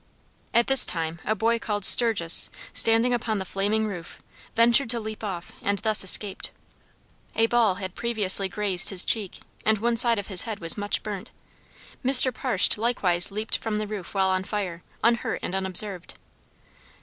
At this time a boy called Sturgeous, standing upon the flaming roof, ventured to leap off, and thus escaped. A ball had previously grazed his cheek, and one side of his head was much burnt. Mr. Partsch likewise leaped from the roof while on fire, unhurt and unobserved.